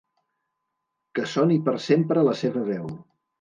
Que soni per sempre la seva veu.